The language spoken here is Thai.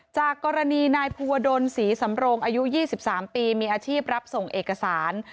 จากกรณีนายภูวดลศรีสำโรงอายุ๒๓ปีมีอาชีพรับส่งเอกสาร